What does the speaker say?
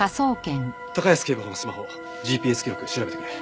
高安警部補のスマホＧＰＳ記録調べてくれ。